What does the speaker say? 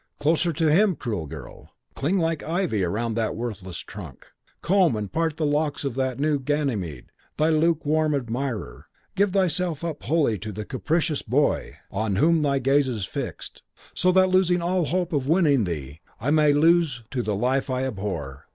Closer to him, cruel girl! Cling like ivy round that worthless trunk. Comb and part the locks of that new Ganymede, thy lukewarm admirer. Give thyself up wholly to the capricious boy on whom thy gaze is fixed, so that losing all hope of winning thee I may lose too the life I abhor.